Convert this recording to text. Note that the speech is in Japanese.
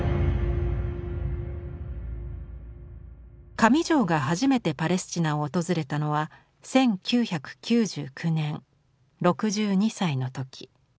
上條が初めてパレスチナを訪れたのは１９９９年６２歳のとき。